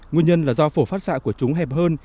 nguyên nhân là do phổ phát xạ của chúng hẹp hơn